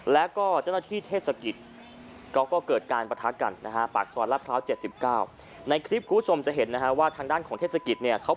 แต่ที่คนถ่ายกำลังจะเดินกลับที่พร้อมนะครับ